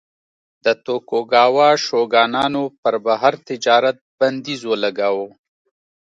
د توکوګاوا شوګانانو پر بهر تجارت بندیز ولګاوه.